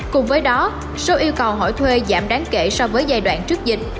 cùng với đó số yêu cầu hỏi thuê giảm đáng kể so với giai đoạn trước dịch